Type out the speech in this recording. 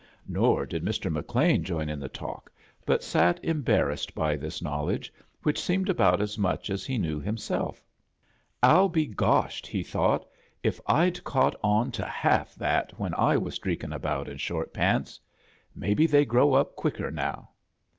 Nor did Hr. A JOURNEY IN SEARCH OF CHRISTMAS HcLean join in the talk, but sat embat rassed by this knowledse, which seemed about as much as he knew himself. "Ill be goshed," he thought, "if Fd caught on to half that when I was streak in' around in short paatsi Maybe they grow up quicker now."